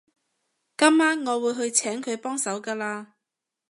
今晚我會去請佢幫手㗎喇